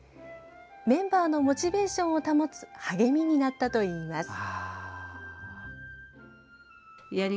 メンバーのモチベーションを保つ励みになったといいます。